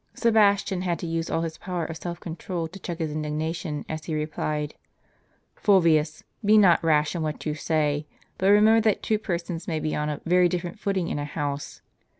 Sebastian had to use all his power of self control to check his indignation, as he replied : "Fulvius, be not rash in what you say; but remember that two persons may be on *a very different footing in a house.